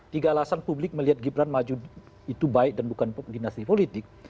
tiga alasan publik melihat gibran maju itu baik dan bukan dinasti politik